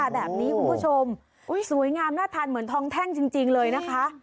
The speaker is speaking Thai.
แบบนี้คุณผู้ชมสวยงามน่าทานเหมือนทองแท่งจริงเลยนะคะ